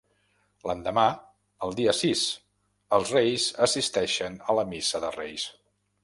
L'endemà, el dia sis, els Reis assisteixen a la Missa de Reis.